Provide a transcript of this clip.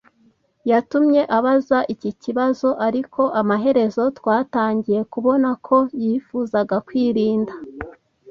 yatumye abaza iki kibazo, ariko amaherezo twatangiye kubona ko yifuzaga kwirinda